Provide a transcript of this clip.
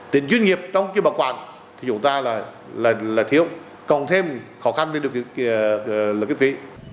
tình duyên nghiệp trong cái bảo quản thì chúng ta là thiếu còn thêm khó khăn với điều kiện kiếm phí